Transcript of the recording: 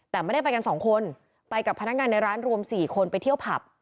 แต่ไม่ได้ไปกันสองคนไปกับพนักงานในร้านรวม๔คนไปเที่ยวผับ